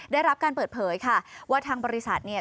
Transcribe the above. ได้รับการเปิดเผยค่ะว่าทางบริษัทเนี่ย